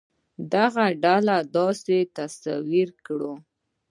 دغه ډلې داسې تصور کړو.